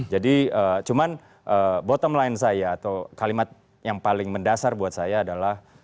jadi cuma bottom line saya atau kalimat yang paling mendasar buat saya adalah